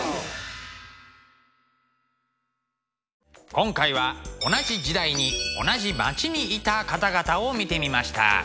今回は同じ時代に同じ町にいた方々を見てみました。